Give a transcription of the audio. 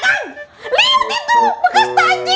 lihat itu bekas tajil